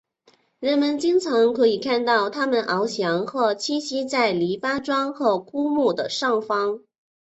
人们经常可以看到它们翱翔或栖息在篱笆桩或枯木的上方。